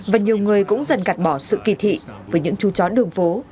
và nhiều người cũng dần gạt bỏ sự kỳ thị với những chú chó đường phố